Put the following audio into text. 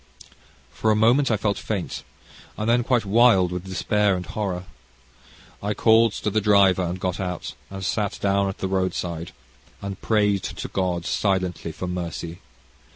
"For a moment I felt faint, and then quite wild with despair and horror. I called to the driver, and got out, and sat down at the road side, and prayed to God silently for mercy.